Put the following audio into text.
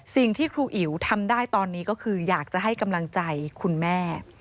สิ่งที่ครูอิ๋วทำได้ตอนนี้ก็คืออยากจะให้กำลังใจคุณแม่